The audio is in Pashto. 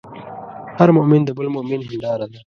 هر مؤمن د بل مؤمن هنداره ده.